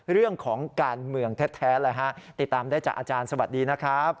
เรื่องของการเมืองแท้เลยฮะติดตามได้จากอาจารย์สวัสดีนะครับ